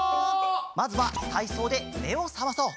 まずはたいそうでめをさまそう！